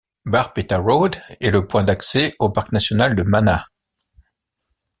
Barpeta Road est le point d'accès au parc national de Manas.